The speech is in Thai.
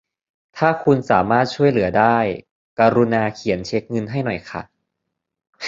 ถ้าคุณสามารถช่วยเหลือได้ กรุณาเขียนเช็คเงินให้หน่อยค่ะ